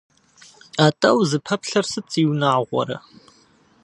Атӏэ, узыпэплъэр сыт, зиунагъуэрэ!